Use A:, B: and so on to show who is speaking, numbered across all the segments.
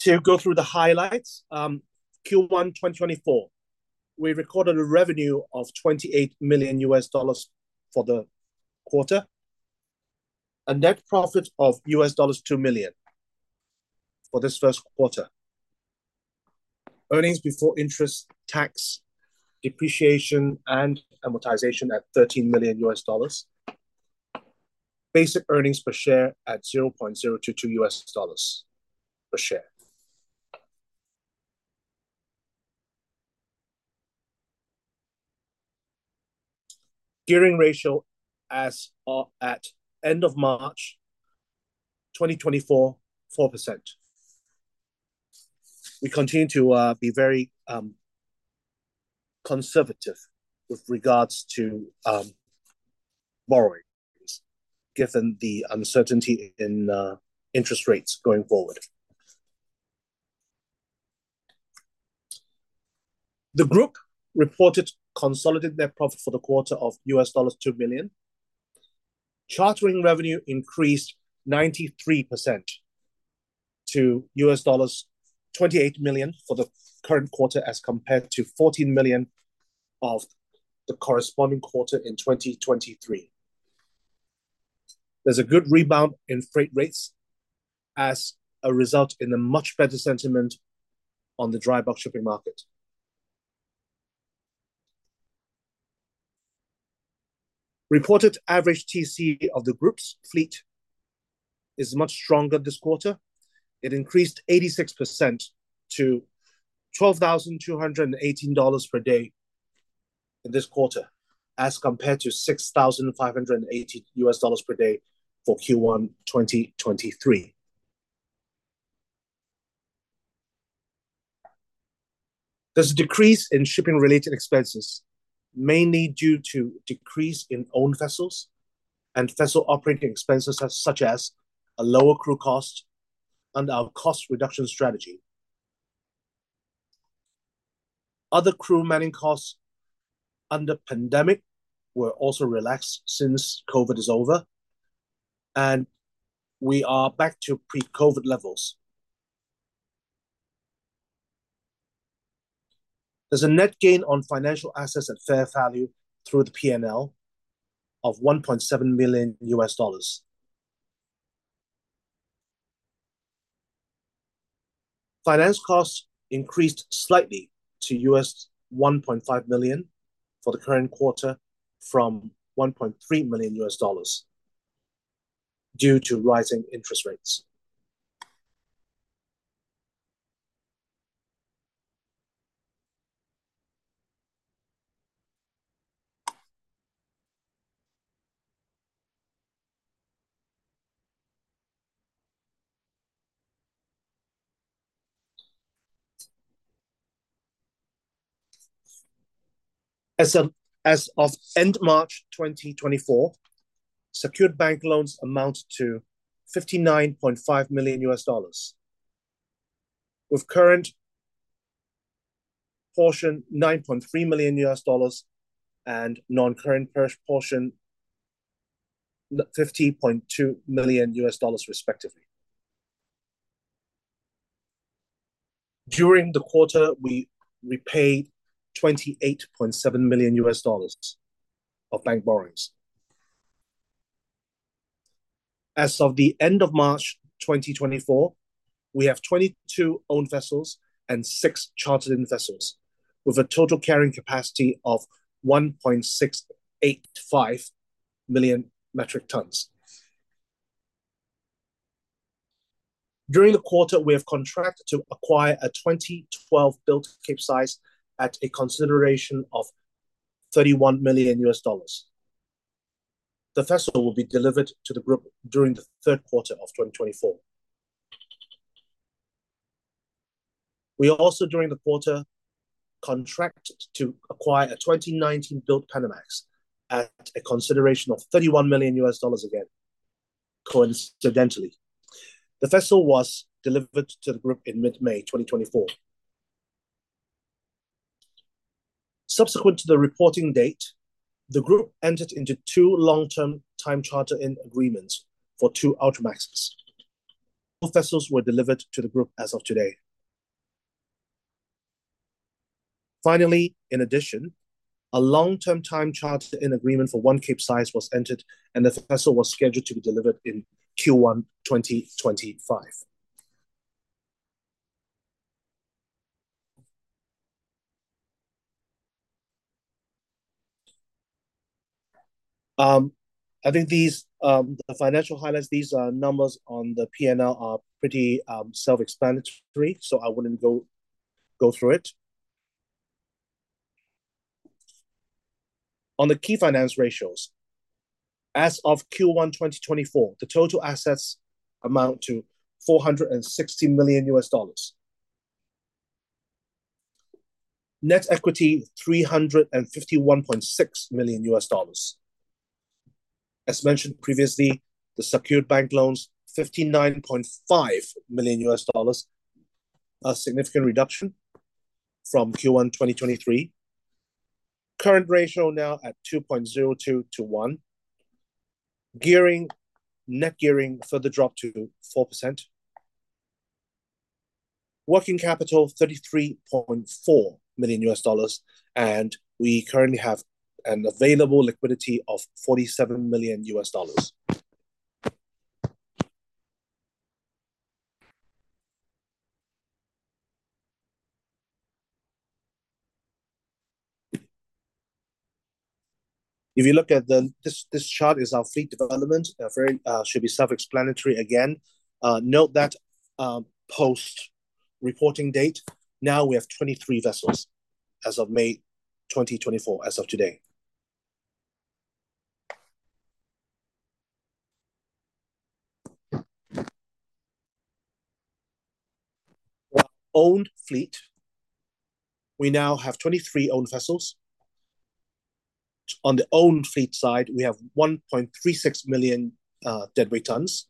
A: To go through the highlights, Q1 2024, we recorded a revenue of $28 million for the quarter. A net profit of $2 million for this first quarter. Earnings before interest, tax, depreciation, and amortization at $13 million. Basic earnings per share at $0.022 per share. Gearing ratio as of at end of March 2024, 4%. We continue to be very conservative with regards to borrowing, given the uncertainty in interest rates going forward. The group reported consolidated net profit for the quarter of $2 million. Chartering revenue increased 93% to $28 million for the current quarter, as compared to $14 million of the corresponding quarter in 2023. There's a good rebound in freight rates as a result in a much better sentiment on the dry bulk shipping market. Reported average TC of the group's fleet is much stronger this quarter. It increased 86% to $12,218 per day in this quarter, as compared to $6,580 per day for Q1 2023. There's a decrease in shipping-related expenses, mainly due to decrease in owned vessels and vessel operating expenses, such as a lower crew cost and our cost reduction strategy. Other crew manning costs under pandemic were also relaxed, since COVID is over, and we are back to pre-COVID levels. There's a net gain on financial assets at fair value through the P&L of $1.7 million. Finance costs increased slightly to $1.5 million for the current quarter, from $1.3 million, due to rising interest rates. As of end March 2024, secured bank loans amount to $59.5 million, with current portion $9.3 million and non-current portion $50.2 million, respectively. During the quarter, we repaid $28.7 million of bank borrowings. As of the end of March 2024, we have 22 owned vessels and six chartered in vessels, with a total carrying capacity of 1.685 million metric tons. During the quarter, we have contracted to acquire a 2012-built Capesize at a consideration of $31 million. The vessel will be delivered to the group during the third quarter of 2024. We also, during the quarter, contracted to acquire a 2019-built Panamax at a consideration of $31 million again, coincidentally. The vessel was delivered to the group in mid-May 2024. Subsequent to the reporting date, the group entered into two long-term time charter in agreements for two Ultramaxes. Both vessels were delivered to the group as of today. Finally, in addition, a long-term time charter in agreement for one Capesize was entered, and the vessel was scheduled to be delivered in Q1 2025. I think these, the financial highlights, these, numbers on the P&L are pretty, self-explanatory, so I wouldn't go through it. On the key finance ratios, as of Q1 2024, the total assets amount to $460 million. Net equity, $351.6 million. As mentioned previously, the secured bank loans $59.5 million, a significant reduction from Q1 2023. Current ratio now at 2.02 to 1. Gearing, net gearing further dropped to 4%. Working capital $33.4 million, and we currently have an available liquidity of $47 million. If you look at the chart, this is our fleet development, very should be self-explanatory again. Note that, post-reporting date, now we have 23 vessels as of May 2024, as of today. Our owned fleet, we now have 23 owned vessels. On the owned fleet side, we have 1.36 million deadweight tons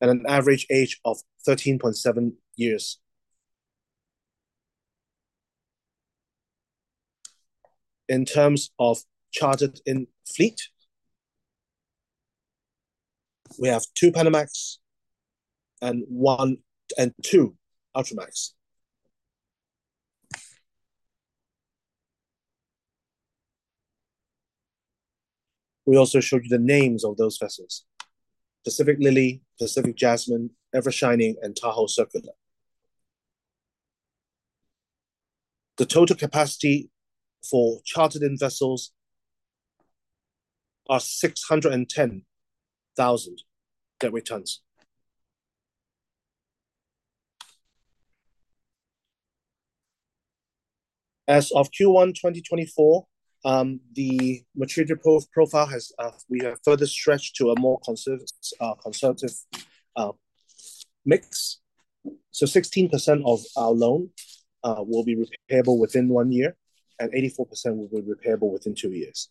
A: and an average age of 13.7 years. In terms of chartered-in fleet, we have 2 Panamax and 2 Ultramax. We also showed you the names of those vessels: Pacific Lily, Pacific Jasmine, Ever Shining, and Taho Circular. The total capacity for chartered-in vessels are 610,000 deadweight tons. As of Q1 2024, the maturity profile has, we have further stretched to a more conservative mix. So 16% of our loan will be repayable within one year, and 84% will be repayable within two years.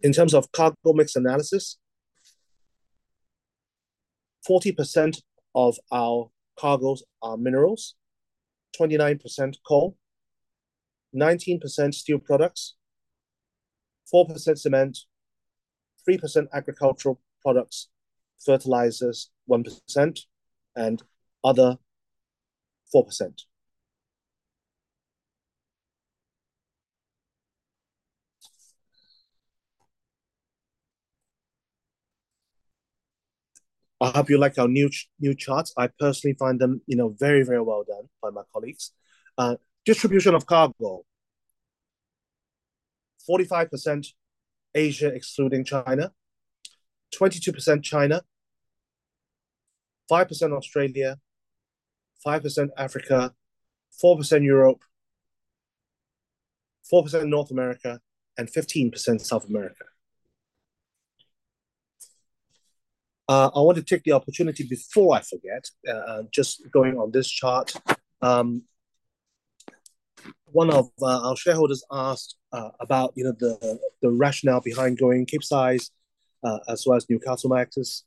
A: In terms of cargo mix analysis, 40% of our cargoes are minerals, 29% coal, 19% steel products, 4% cement, 3% agricultural products, fertilizers 1%, and other 4%. I hope you like our new charts. I personally find them, you know, very, very well done by my colleagues. Distribution of cargo: 45% Asia, excluding China, 22% China, 5% Australia, 5% Africa, 4% Europe, 4% North America, and 15% South America. I want to take the opportunity before I forget, just going on this chart. One of our shareholders asked about, you know, the rationale behind going Capesize, as well as Newcastlemaxes,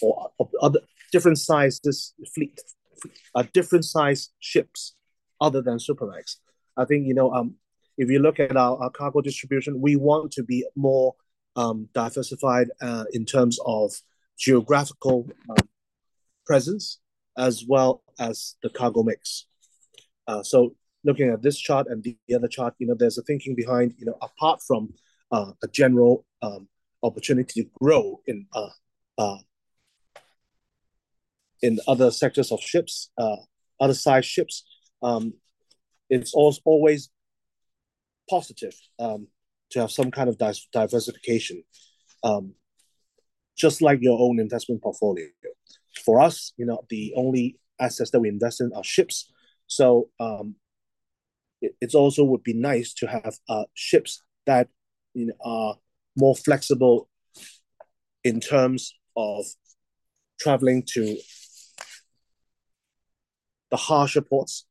A: or other different sizes fleet, different size ships other than Supramax. I think, you know, if you look at our cargo distribution, we want to be more diversified in terms of geographical presence as well as the cargo mix. So looking at this chart and the other chart, you know, there's a thinking behind, you know, apart from a general opportunity to grow in in other sectors of ships, other size ships, it's always positive to have some kind of diversification just like your own investment portfolio. For us, you know, the only assets that we invest in are ships. So it's also would be nice to have ships that, you know, are more flexible in terms of traveling to the harsher ports,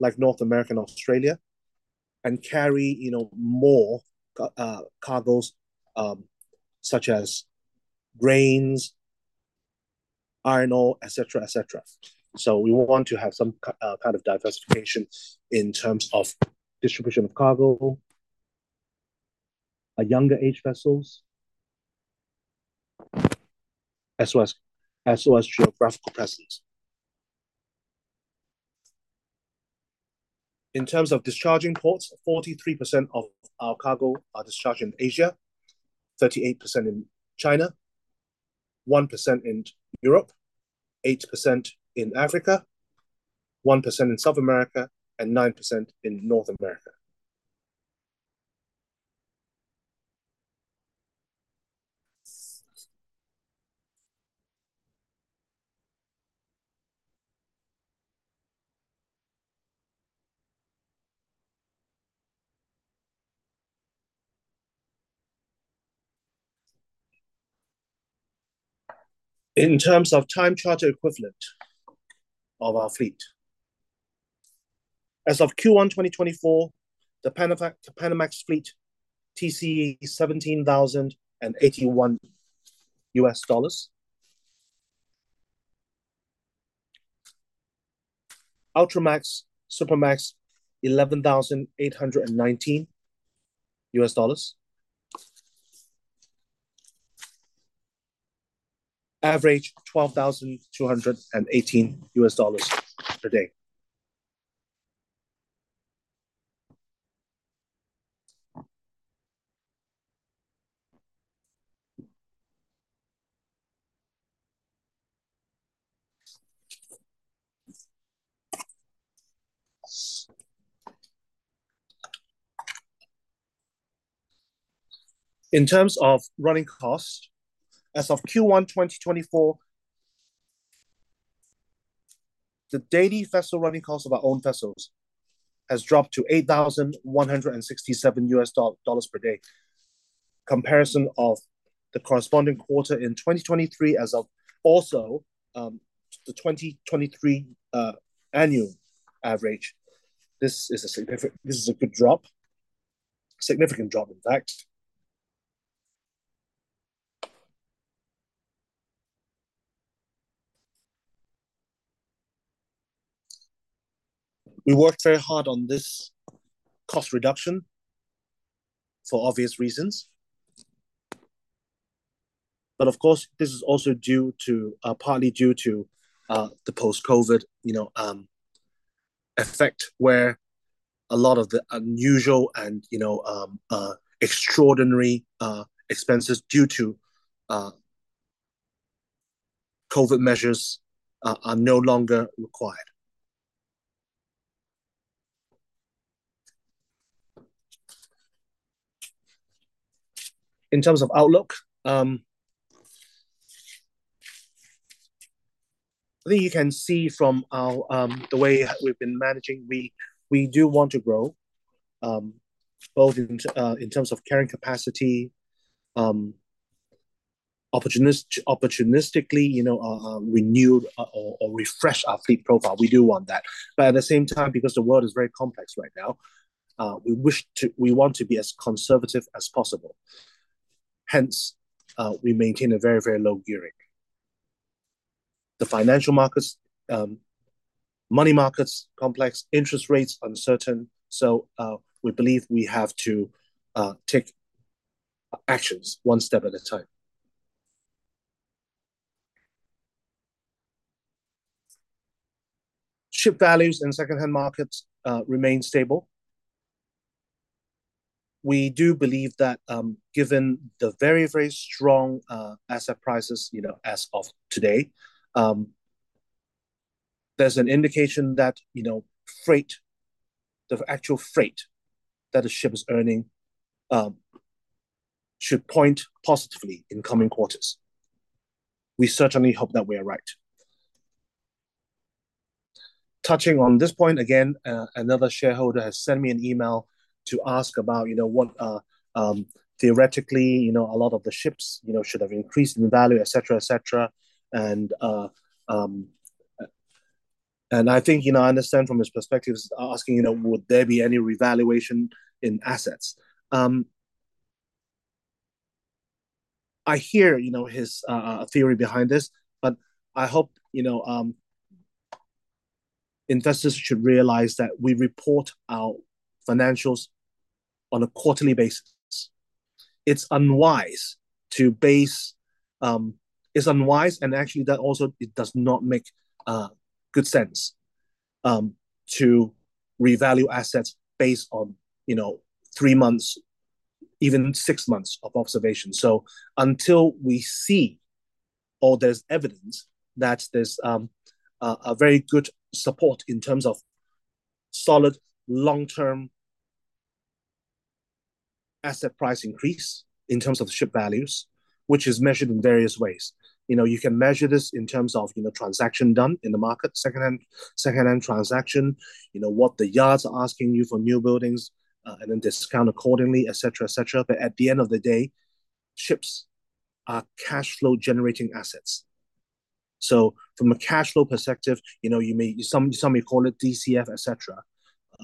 A: like North America and Australia, and carry, you know, more cargoes such as grains, iron ore, et cetera, et cetera. So we want to have some kind of diversification in terms of distribution of cargo, a younger age vessels, as well as geographical presence. In terms of discharging ports, 43% of our cargo are discharged in Asia, 38% in China, 1% in Europe, 8% in Africa, 1% in South America, and 9% in North America. In terms of time charter equivalent of our fleet. As of Q1 2024, the Panamax, the Panamax fleet TCE $17,081. Ultramax, Supramax, $11,819. Average $12,218 per day. In terms of running costs, as of Q1 2024, the daily vessel running cost of our own vessels has dropped to $8,167 dollars per day. Comparison of the corresponding quarter in 2023 as of also the 2023 annual average. This is a significant- this is a good drop. Significant drop, in fact. We worked very hard on this cost reduction for obvious reasons. But of course, this is also due to partly due to the post-COVID, you know, effect, where a lot of the unusual and, you know, extraordinary, expenses due to, COVID measures, are no longer required. In terms of outlook, I think you can see from our, the way that we've been managing, we do want to grow, both in, in terms of carrying capacity, opportunistically, you know, renew or refresh our fleet profile. We do want that. But at the same time, because the world is very complex right now, we wish to, we want to be as conservative as possible. Hence, we maintain a very, very low gearing. The financial markets, money markets, complex interest rates, uncertain, so, we believe we have to, take actions one step at a time. Ship values and secondhand markets, remain stable. We do believe that, given the very, very strong, asset prices, you know, as of today, there's an indication that, you know, freight, the actual freight that a ship is earning, should point positively in coming quarters. We certainly hope that we are right. Touching on this point again, another shareholder has sent me an email to ask about, you know what, theoretically, you know, a lot of the ships, you know, should have increased in value, et cetera, et cetera. And I think, you know, I understand from his perspective, asking, you know, would there be any revaluation in assets? I hear, you know, his theory behind this, but I hope, you know, investors should realize that we report our financials on a quarterly basis. It's unwise, and actually, that also it does not make good sense to revalue assets based on, you know, three months, even six months of observation. So until we see or there's evidence that there's a very good support in terms of solid, long-term asset price increase, in terms of ship values, which is measured in various ways. You know, you can measure this in terms of, you know, transaction done in the market, secondhand, secondhand transaction. You know, what the yards are asking you for new buildings, and then discount accordingly, et cetera, et cetera. But at the end of the day, ships are cashflow generating assets. So from a cash flow perspective, you know, you may, some may call it DCF, et cetera,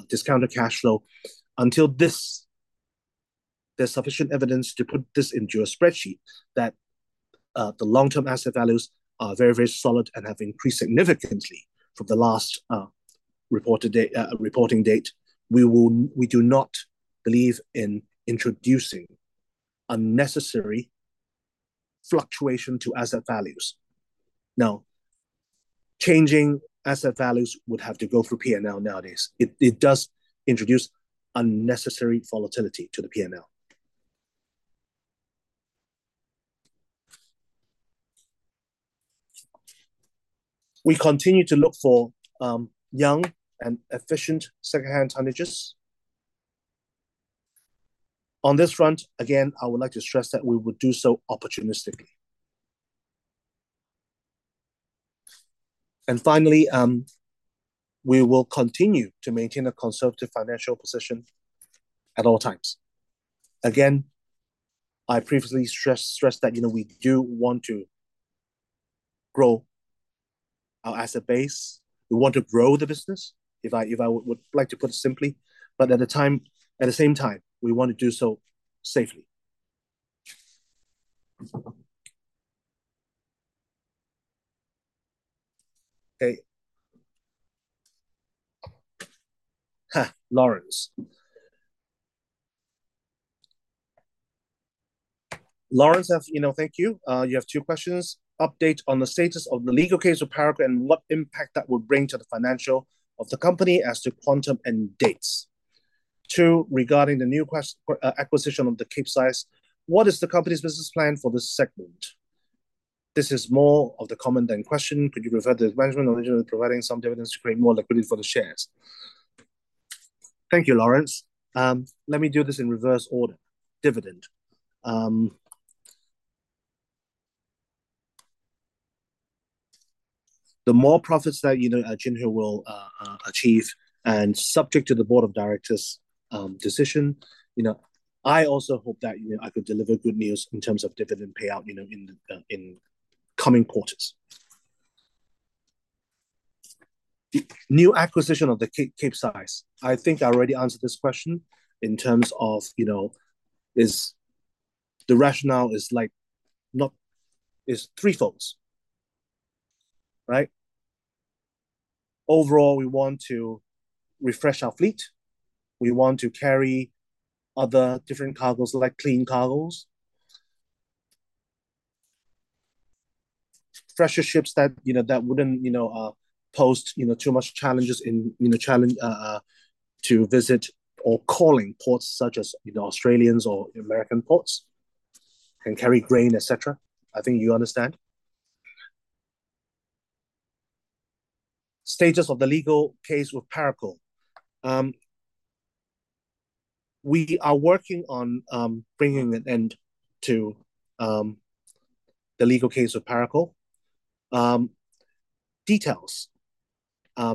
A: discounted cash flow. Until this, there's sufficient evidence to put this into a spreadsheet that the long-term asset values are very, very solid and have increased significantly from the last reported date, reporting date. We do not believe in introducing unnecessary fluctuation to asset values. Now, changing asset values would have to go through P&L nowadays. It does introduce unnecessary volatility to the P&L. We continue to look for young and efficient secondhand tonnages. On this front, again, I would like to stress that we would do so opportunistically. And finally, we will continue to maintain a conservative financial position at all times. Again, I previously stressed that, you know, we do want to grow our asset base. We want to grow the business, if I would like to put it simply, but at the same time, we want to do so safely. Okay. Hi, Lawrence. Thank you. You have two questions. Update on the status of the legal case with Parakou and what impact that will bring to the financial of the company as to quantum and dates. Two, regarding the newest acquisition of the Capesize, what is the company's business plan for this segment? This is more of the comment than question. Could you refer the management of providing some dividends to create more liquidity for the shares? Thank you, Lawrence. Let me do this in reverse order. Dividend. The more profits that, you know, Jinhui will achieve, and subject to the board of directors' decision, you know, I also hope that, you know, I could deliver good news in terms of dividend payout, you know, in the in coming quarters. The new acquisition of the Capesize. I think I already answered this question in terms of, you know, is the rationale is like not... It's threefold. Right? Overall, we want to refresh our fleet, we want to carry other different cargos, like clean cargos. Fresher ships that, you know, that wouldn't, you know, pose, you know, too much challenges in, you know, challenging to visit or calling ports such as, you know, Australian or American ports, can carry grain, et cetera. I think you understand. Status of the legal case with Parakou. We are working on bringing an end to the legal case with Parakou. Details,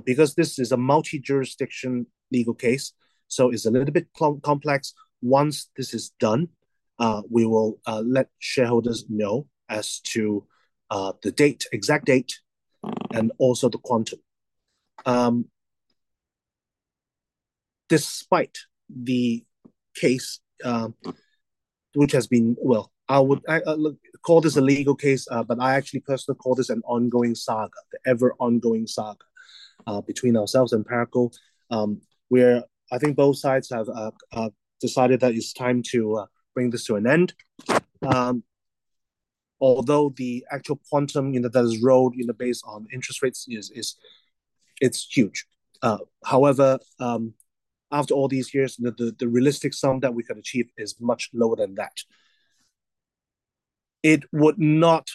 A: because this is a multi-jurisdiction legal case, so it's a little bit complex. Once this is done, we will let shareholders know as to the date, exact date, and also the quantum. Despite the case, which has been... Well, I would call this a legal case, but I actually personally call this an ongoing saga, the ever ongoing saga, between ourselves and Parakou. Where I think both sides have decided that it's time to bring this to an end. Although the actual quantum, you know, that has grown, you know, based on interest rates is, it's huge. However, after all these years, the realistic sum that we can achieve is much lower than that. It would not,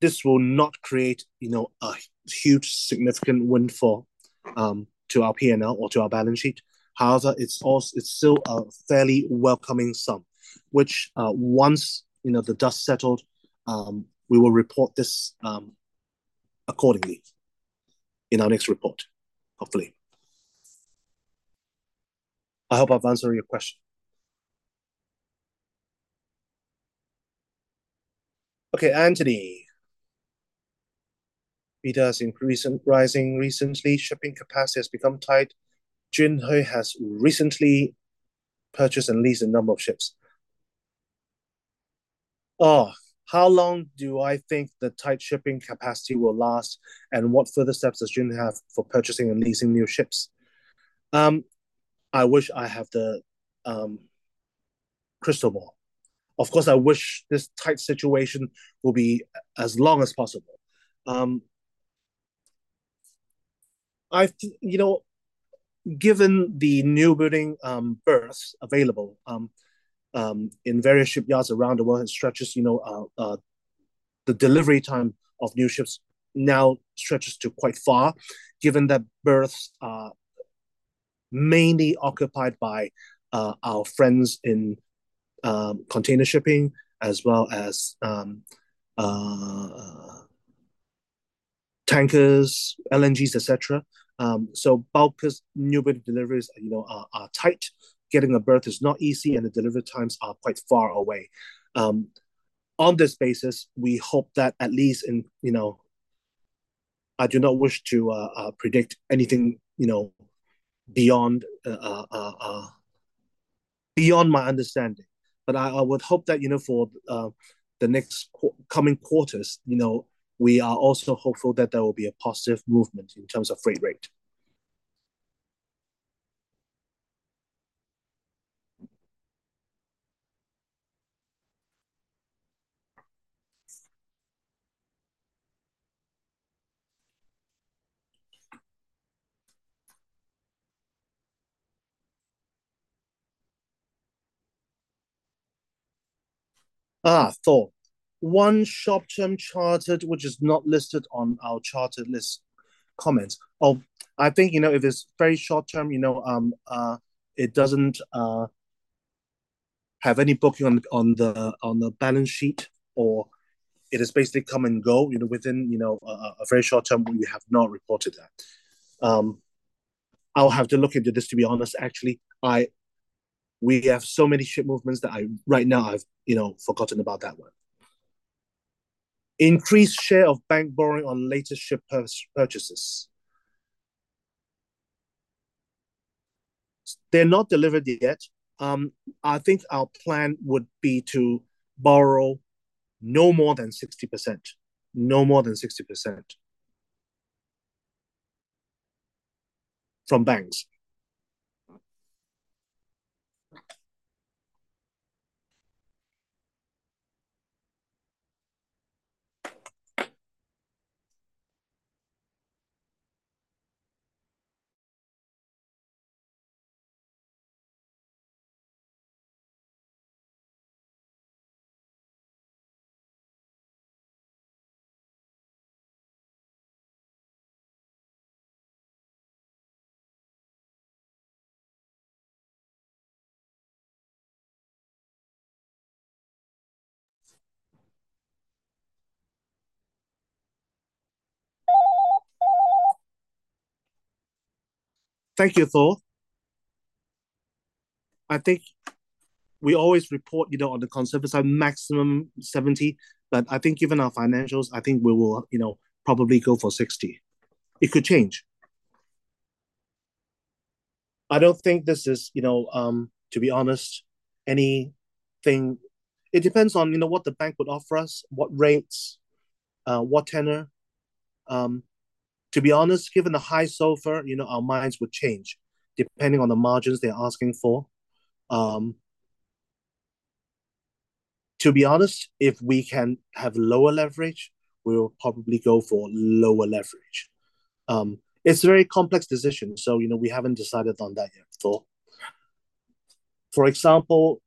A: this will not create, you know, a huge significant windfall to our P&L or to our balance sheet. However, it's als- it's still a fairly welcoming sum, which, once, you know, the dust settled, we will report this, accordingly in our next report, hopefully. I hope I've answered your question. Okay, Anthony, he does increasing, rising recently, shipping capacity has become tight. Jinhui has recently purchased and leased a number of ships. Oh, how long do I think the tight shipping capacity will last, and what further steps does Jinhui have for purchasing and leasing new ships? I wish I have the crystal ball. Of course, I wish this tight situation will be as long as possible. You know, given the newbuilding berths available in various shipyards around the world and stretches, you know, the delivery time of new ships now stretches to quite far, given that berths are mainly occupied by our friends in container shipping, as well as tankers, LNGs, et cetera. So bulk plus newbuilding deliveries, you know, are tight. Getting a berth is not easy, and the delivery times are quite far away. On this basis, we hope that at least in, you know, I do not wish to predict anything, you know, beyond beyond my understanding. But I would hope that, you know, for the next coming quarters, you know, we are also hopeful that there will be a positive movement in terms of freight rate. Ah, Thor, one short-term chartered, which is not listed on our chartered list comments. Oh, I think, you know, if it's very short term, you know, it doesn't have any booking on the balance sheet, or it is basically come and go, you know, within a very short term, we have not reported that. I'll have to look into this, to be honest. Actually, we have so many ship movements that I, right now I've, you know, forgotten about that one. Increased share of bank borrowing on later ship purchases. They're not delivered yet. I think our plan would be to borrow no more than 60%. No more than 60%, from banks. Thank you, Thor. I think we always report, you know, on the conservative side, maximum 70%, but I think even our financials, I think we will, you know, probably go for 60%. It could change. I don't think this is, you know, to be honest, anything... It depends on, you know, what the bank would offer us, what rates, what tenor. To be honest, given the high SOFR, you know, our minds would change depending on the margins they're asking for. To be honest, if we can have lower leverage, we will probably go for lower leverage. It's a very complex decision, so, you know, we haven't decided on that yet, Thor. For example,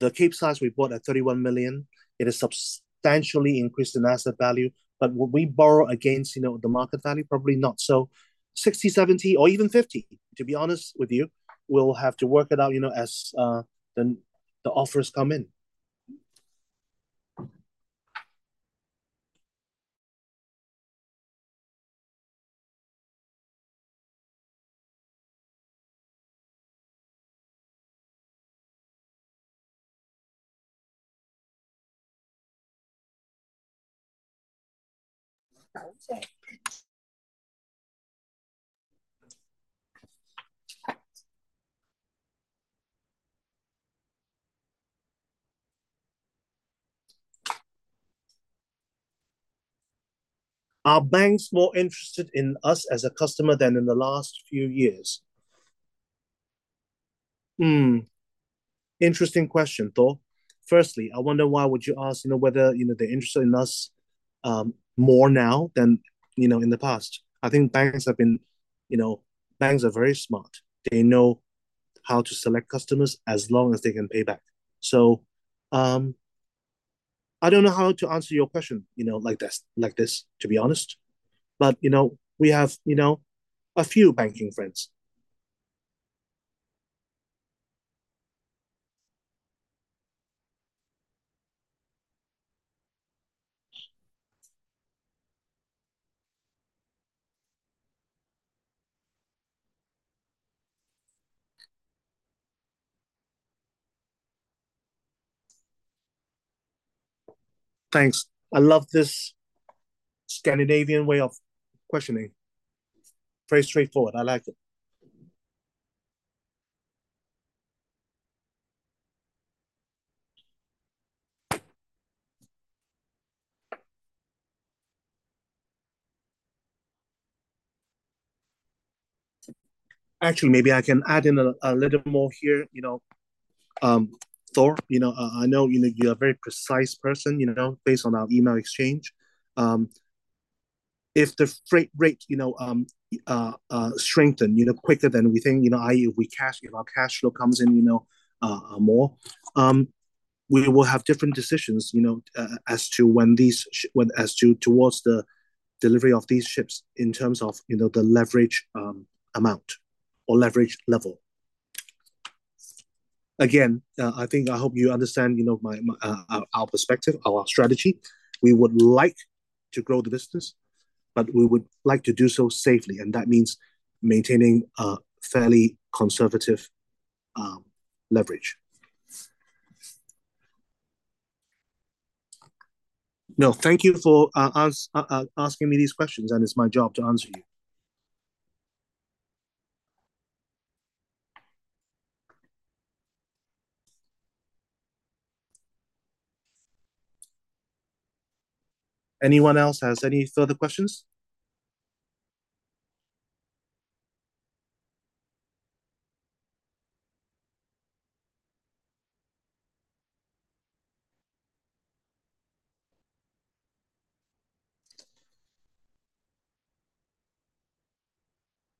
A: the Capesize we bought at $31 million, it has substantially increased in asset value. But would we borrow against, you know, the market value? Probably not. So 60, 70, or even 50, to be honest with you, we'll have to work it out, you know, as the offers come in. Are banks more interested in us as a customer than in the last few years? Hmm, interesting question, Thor. Firstly, I wonder, why would you ask, you know, whether they're interested in us more now than in the past? I think banks have been, you know, banks are very smart. They know how to select customers as long as they can pay back. So, I don't know how to answer your question, you know, like this, like this, to be honest. But, you know, we have, you know, a few banking friends. Thanks. I love this Scandinavian way of questioning. Very straightforward, I like it. Actually, maybe I can add in a little more here, you know, Thor. You know, I know, you know, you're a very precise person, you know, based on our email exchange. If the freight rate, you know, strengthen quicker than we think, you know, i.e., if our cash flow comes in, you know, more, we will have different decisions, you know, as to when as to towards the delivery of these ships in terms of, you know, the leverage amount or leverage level. Again, I think I hope you understand, you know, our perspective, our strategy. We would like to grow the business, but we would like to do so safely, and that means maintaining a fairly conservative leverage. No, thank you for asking me these questions, and it's my job to answer you. Anyone else has any further questions?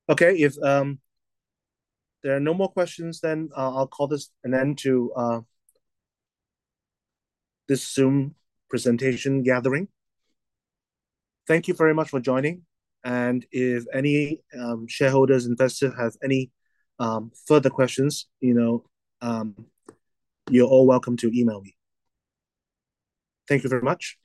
A: Okay, if there are no more questions, then I'll call this an end to this Zoom presentation gathering. Thank you very much for joining, and if any shareholders, investors have any further questions, you know, you're all welcome to email me. Thank you very much.